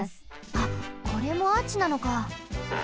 あこれもアーチなのか。